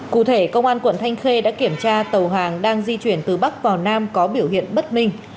cụ thể công an quận thanh khê đã kiểm tra tàu hàng đang di chuyển từ bắc vào nam có biểu hiện bất minh